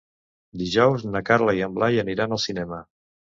Dijous na Carla i en Blai aniran al cinema.